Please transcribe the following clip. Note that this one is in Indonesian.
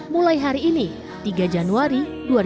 mulai hari ini tiga januari dua ribu sembilan belas